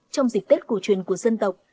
trong dịch tết cổ truyền của dân tộc